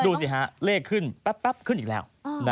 ดูสิฮะเลขขึ้นแป๊บขึ้นอีกแล้ว